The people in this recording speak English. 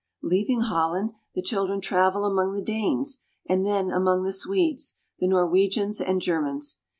Leaving Holland, the children travel among the Danes and then among the Swedes, the Norwegians and Germans.